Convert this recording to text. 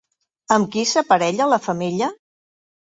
Amb qui s'aparella la femella?